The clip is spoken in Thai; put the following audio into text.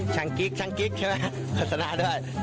ช่างกิ๊กใช่ไหมฮะภาษณาด้วย